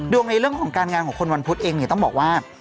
ในเรื่องของการงานของคนวันพุธเองเนี่ยต้องบอกว่า